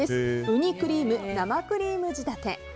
ウニクリーム生クリーム仕立て。